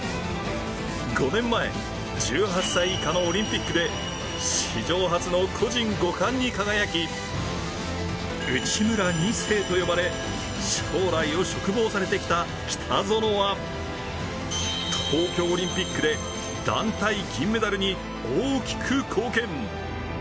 ５年前、１８歳以下のオリンピックで史上初の個人５冠に輝き内村２世と呼ばれ将来を嘱望されてきた北園は東京オリンピックで団体銀メダルに大きく貢献。